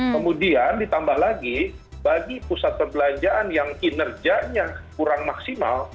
kemudian ditambah lagi bagi pusat perbelanjaan yang kinerjanya kurang maksimal